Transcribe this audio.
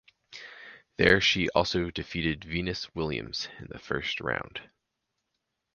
There she also defeated Venus Williams in the first round.